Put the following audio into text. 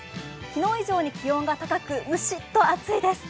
昨日以上に気温が高く、ムシッと暑いです。